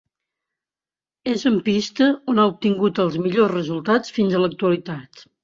És en pista on ha obtingut els millors resultats fins a l'actualitat.